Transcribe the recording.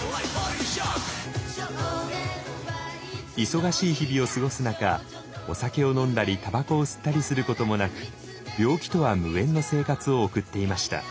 忙しい日々を過ごす中お酒を飲んだりたばこを吸ったりすることもなく病気とは無縁の生活を送っていました。